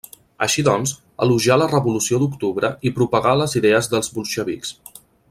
Així doncs, elogià la Revolució d'Octubre i propagà les idees dels bolxevics.